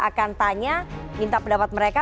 akan tanya minta pendapat mereka